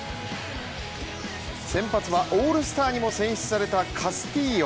先発はオールスターにも選出されたカスティーヨ。